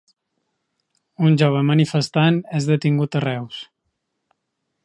Un jove manifestant és detingut a Reus